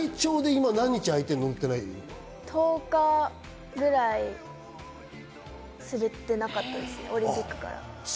１０日ぐらい滑っていないです、オリンピックから。